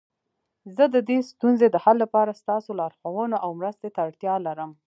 زه د دې ستونزې د حل لپاره ستاسو لارښوونو او مرستي ته اړتیا لرم